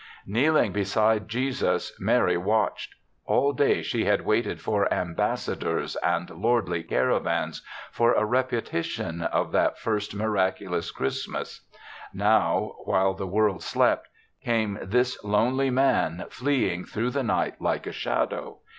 Kneeling beside Jesus, Mary watched. All day she had waited for ambassadors and lordly caravans, for a repetition of that first miracu lous Christmas ; now, while the world slept, came this lonely man, fleeing 52 THE SEVENTH CHRISTMAS through the night like a shadow.